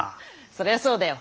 そりゃそうだよ。